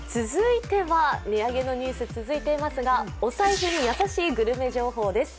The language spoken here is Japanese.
続いては、値上げのニュース続いていますがお財布に優しいグルメ情報です。